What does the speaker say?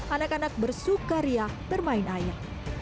anak anak bersuka ria bermain air